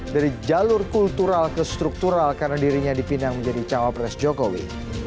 dari jalur kultural ke struktural karena dirinya dipinang menjadi cawapres jokowi